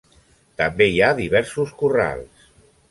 També hi ha diversos corrals.